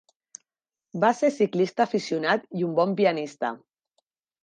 Va ser ciclista aficionat i un bon pianista.